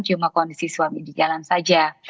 cuma kondisi suami di jalan saja